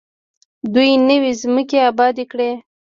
دوی نوې ځمکې ابادې کړې.